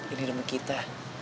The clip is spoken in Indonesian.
ini dengan kita